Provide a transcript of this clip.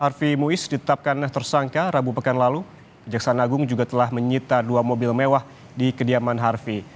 harvi muiz ditetapkan tersangka rabu pekan lalu kejaksaan agung juga telah menyita dua mobil mewah di kediaman harvi